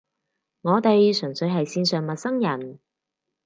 我哋純粹係線上陌生人